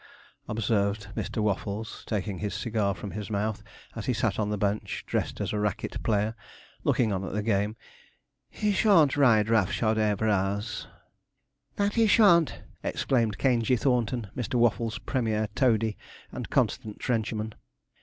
(puff) observed Mr. Waffles, taking his cigar from his mouth as he sat on the bench, dressed as a racket player, looking on at the game, 'he shalln't ride roughshod over us.' 'That he shalln't!' exclaimed Caingey Thornton, Mr. Waffles's premier toady, and constant trencherman.